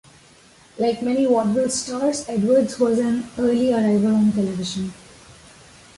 Like many vaudeville stars, Edwards was an early arrival on television.